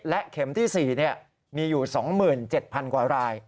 และเข็มที่๔เนี่ยมีอยู่๒๗๐๐๐กว่าราย